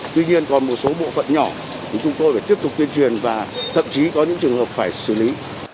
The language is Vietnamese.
tuy nhiên còn một số bộ phận nhỏ thì chúng tôi phải tiếp tục tuyên truyền và thậm chí có những trường hợp phải xử lý